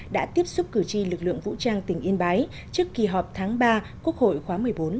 đã tiếp xúc cử tri lực lượng vũ trang tỉnh yên bái trước kỳ họp tháng ba quốc hội khóa một mươi bốn